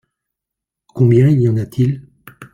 Combien il y en a-t-il ?